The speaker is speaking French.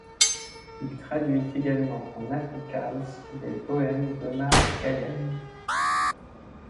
Il traduit également en afrikaans les poèmes d'Omar Khayyam.